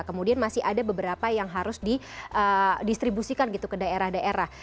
kemudian masih ada beberapa yang harus didistribusikan gitu ke daerah daerah